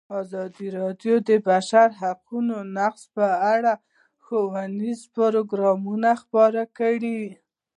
ازادي راډیو د د بشري حقونو نقض په اړه ښوونیز پروګرامونه خپاره کړي.